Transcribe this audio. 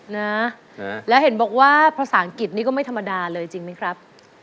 นะแล้วเห็นบอกว่าภาษาอังกฤษนี่ก็ไม่ธรรมดาเลยจริงไหมครับ